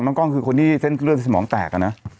น้องกล้องคือคนที่เส้นเคลื่อนสมองแตก